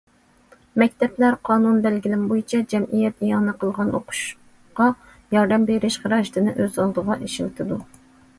مەكتەپلەر قانۇن- بەلگىلىمە بويىچە جەمئىيەت ئىئانە قىلغان ئوقۇشقا ياردەم بېرىش خىراجىتىنى ئۆز ئالدىغا ئىشلىتىدۇ.